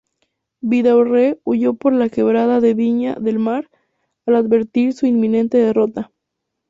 Vidaurre huyó por la quebrada de Viña del Mar al advertir su inminente derrota.